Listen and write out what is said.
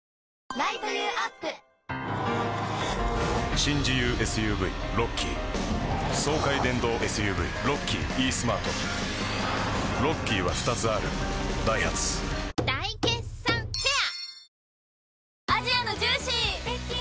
新自由ＳＵＶロッキー爽快電動ＳＵＶロッキーイースマートロッキーは２つあるダイハツ大決算フェア